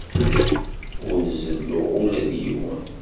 Ur zelluɣ ula d yiwen.